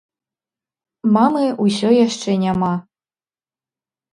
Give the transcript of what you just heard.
Мамы ўсё яшчэ няма.